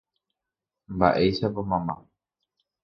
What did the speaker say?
Mba'éichapa mamá